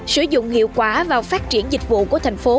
sử dụng hiệu quả vào phát triển dịch vụ của thành phố